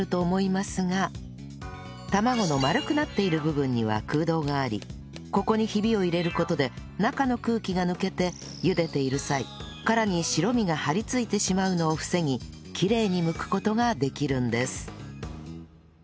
卵の丸くなっている部分には空洞がありここにヒビを入れる事で中の空気が抜けて茹でている際殻に白身が張り付いてしまうのを防ぎきれいにむく事ができるんです